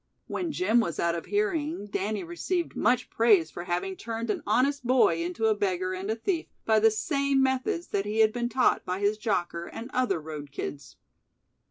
When Jim was out of hearing Danny received much praise for having turned an honest boy into a beggar and a thief by the same methods that he had been taught by his jocker and other road kids.